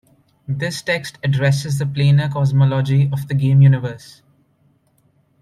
This text addresses the planar cosmology of the game universe.